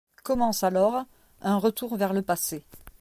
Commence alors un retour vers le passé.